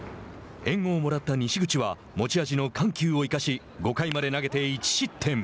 援護をもらった西口は持ち味の緩急を生かし５回まで投げて１失点。